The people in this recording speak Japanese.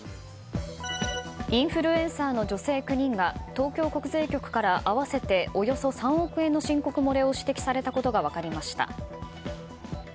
インフルエンサーの女性９人が東京国税局から合わせておよそ３億円の申告漏れを指摘されたことが分かりました。